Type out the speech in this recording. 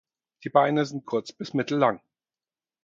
Die Beine sind kurz bis mittel lang.